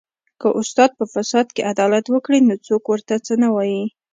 که استاد په فساد کې عدالت وکړي نو څوک ورته څه نه وايي